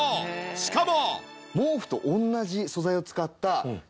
しかも。